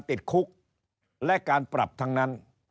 ติดคุกและการปรับทั้งนั้น